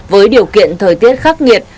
với điều kiện thời tiết khắc nghiệt